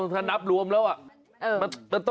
ถ้านับรวมแล้ว